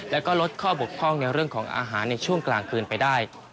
แล้วก็ลดข้อบกพร่องในเรื่องของอาหารในช่วงกลางคืนไปได้